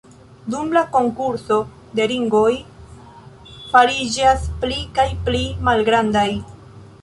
Dum la konkurso la ringoj fariĝas pli kaj pli malgrandaj.